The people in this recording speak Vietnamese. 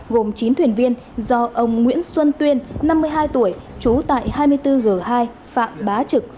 gồm chín thuyền viên do ông nguyễn xuân tuyên năm mươi hai tuổi trú tại hai mươi bốn g hai phạm bá trực